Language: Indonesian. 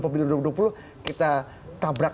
pemilu dua ribu dua puluh kita tabrak